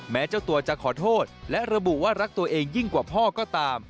เจ้าตัวจะขอโทษและระบุว่ารักตัวเองยิ่งกว่าพ่อก็ตาม